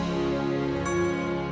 kamu bisa mencoba